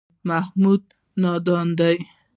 محمود نادان دی.